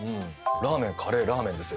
ラーメンカレーラーメンですよ。